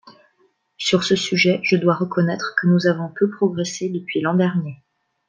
Sur ce sujet, je dois reconnaître que nous avons peu progressé depuis l’an dernier.